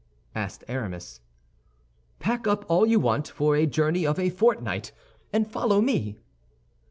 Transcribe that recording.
asked Aramis. "Pack up all you want for a journey of a fortnight, and follow me."